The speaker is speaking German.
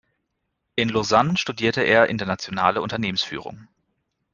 In Lausanne studierte er internationale Unternehmensführung.